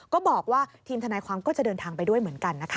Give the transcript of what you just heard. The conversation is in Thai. ก็บอกว่าทีมทนายความก็จะเดินทางไปด้วยเหมือนกันนะคะ